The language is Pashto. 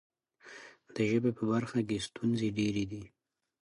د ژبې په برخه کې ستونزې ډېرې دي.